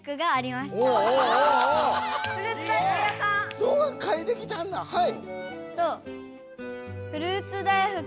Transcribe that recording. そうかえてきたんだはい！